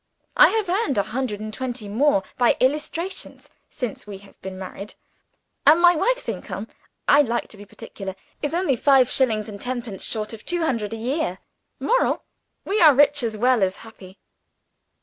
I have earned a hundred and twenty more by illustrations, since we have been married. And my wife's income (I like to be particular) is only five shillings and tenpence short of two hundred a year. Moral! we are rich as well as happy."